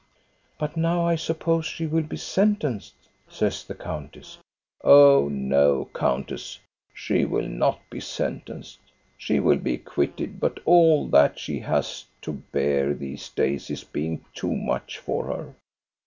" But now I suppose she will be sentenced ?" says the countess. " Oh, no, countess, she will not be sentenced. She will be acquitted, but all that she has to bear these days is being too much for her.